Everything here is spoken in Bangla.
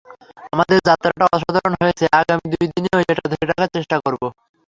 আমাদের যাত্রাটা অসাধারণ হয়েছে, আগামী দুই দিনেও এটা ধরে রাখার চেষ্টা করব।